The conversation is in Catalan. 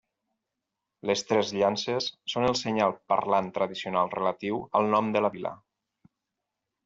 Les tres llances són el senyal parlant tradicional relatiu al nom de la vila.